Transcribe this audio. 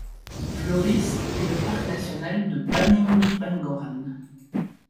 Floris et le Parc national de Bamingui-Bangoran.